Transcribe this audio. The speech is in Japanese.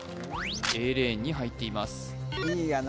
Ａレーンに入っています